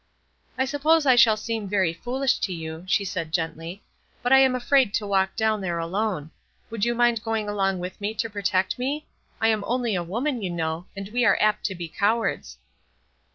"I suppose I shall seem very foolish to you," she said, gently; "but I am afraid to walk down there alone. Would you mind going along with me to protect me? I am only a woman, you know, and we are apt to be cowards."